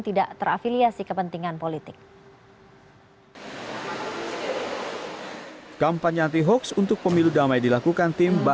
tidak terafiliasi kepentingan politik kampanye anti hoax untuk pemilu damai dilakukan tim